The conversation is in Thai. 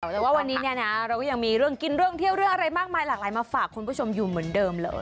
แต่ว่าวันนี้เนี่ยนะเราก็ยังมีเรื่องกินเรื่องเที่ยวเรื่องอะไรมากมายหลากหลายมาฝากคุณผู้ชมอยู่เหมือนเดิมเลย